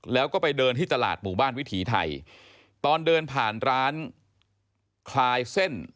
แล้วก็ไปเดินที่ตลาดหมู่บ้านวิถีไทยตอนเดินผ่านร้านคลายเส้น